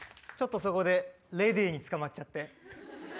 ちょっとそこでレディーにつかまっちゃって。